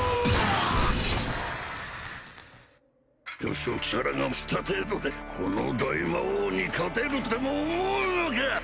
少々力が増した程度でこの大魔王に勝てるとでも思うのか！？